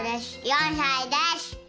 ４さいです。